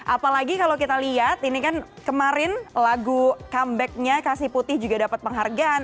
apalagi kalau kita lihat ini kan kemarin lagu comebacknya kasih putih juga dapat penghargaan